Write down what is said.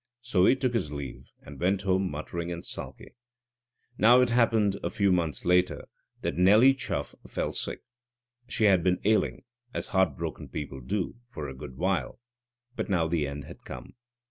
So he took his leave and went home muttering and sulky. Now it happened a few months later that Nelly Chuff fell sick. She had been ailing, as heartbroken people do, for a good while. But now the end had come.